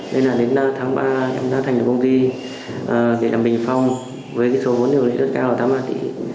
nên đến tháng ba em đã thành lập công ty để làm bình phong với số vốn điều lý rất cao vào tháng ba